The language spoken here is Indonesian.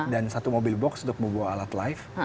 dan satu mobil box untuk membawa alat live